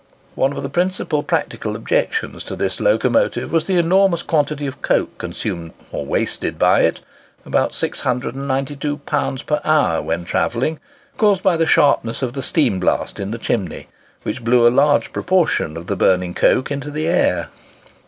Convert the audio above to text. One of the principal practical objections to this locomotive was the enormous quantity of coke consumed or wasted by it—about 692 lbs. per hour when travelling—caused by the sharpness of the steam blast in the chimney, which blew a large proportion of the burning coke into the air.